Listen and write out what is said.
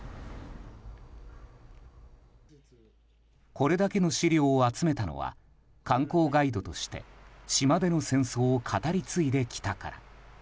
これだけの資料を集めたのは観光ガイドとして島での戦争を語り継いできたから。